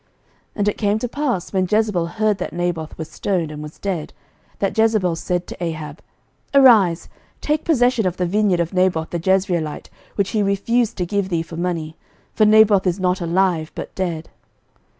11:021:015 And it came to pass, when Jezebel heard that Naboth was stoned, and was dead, that Jezebel said to Ahab, Arise, take possession of the vineyard of Naboth the Jezreelite, which he refused to give thee for money: for Naboth is not alive, but dead.